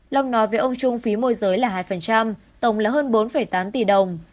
long nói với ông trung phí môi giới là hai tổng là hơn bốn tám tỷ đồng